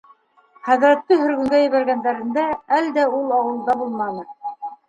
Хәҙрәтте һөргөнгә ебәргәндәрендә әлдә ул ауылда булманы.